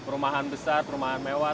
rumahan besar rumahan mewah